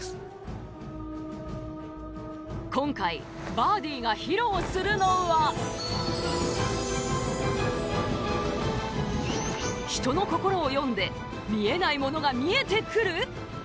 今回バーディーが披露するのは人の心を読んで見えないものが見えてくる？